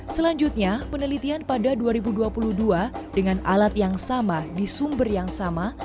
selanjutnya penelitian pada dua ribu dua puluh dua dengan alat yang sama di sumber yang sama